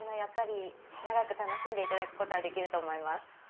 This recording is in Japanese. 長く楽しんでいただくことはできると思います。